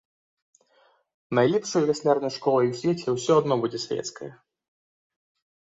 Найлепшай вяслярнай школай у свеце ўсё адно будзе савецкая.